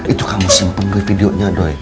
itu kamu simpen dulu videonya doi